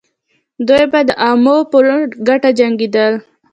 دوی به د عوامو په ګټه جنګېدل.